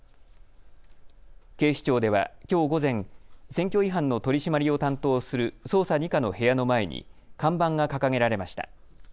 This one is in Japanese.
警視庁ではきょう午前、選挙違反の取締りを担当する捜査２課の部屋の前に看板が掲げられました。